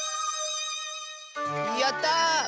やった！